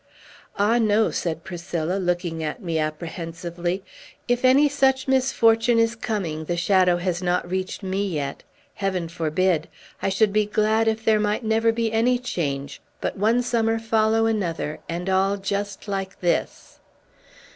"Ah, no," said Priscilla, looking at me apprehensively. "If any such misfortune is coming, the shadow has not reached me yet. Heaven forbid! I should be glad if there might never be any change, but one summer follow another, and all just like this."